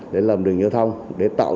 để làm đường giao thông để tạo